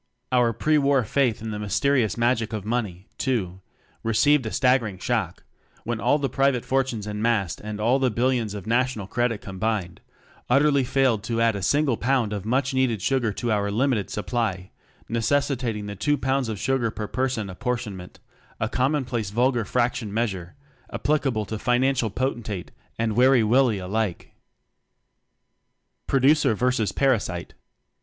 Our pre war faith in the mysteri ous Magic of Money too received a staggering shock when all the pri vate fortunes enmassed and all _ the billions of national credit combined utterly failed to add a single pound of much needed sugar to our limited supply, necessitating the "two pounds of sugar per person" apportionment a commonplace vulgar fraction measure applicable to Financial Potentate and Weary Willie alike! Producer Versus Parasite.